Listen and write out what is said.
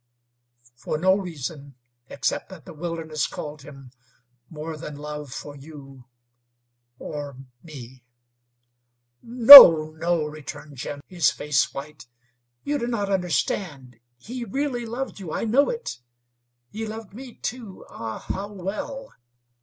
"For no reason, except that the wilderness called him more than love for you or me." "No, no," returned Jim, his face white. "You do not understand. He really loved you I know it. He loved me, too. Ah, how well!